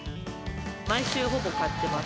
毎週、ほぼ買ってます。